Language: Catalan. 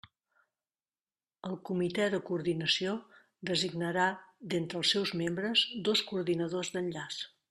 El Comité de Coordinació designarà, d'entre els seus membres, dos coordinadors d'enllaç.